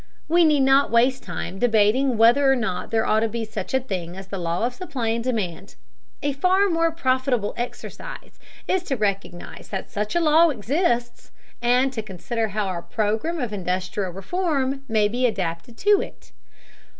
We need not waste time debating whether or not there ought to be such a thing as the law of supply and demand; a far more profitable exercise is to recognize that such a law exists, and to consider how our program of industrial reform may be adapted to it.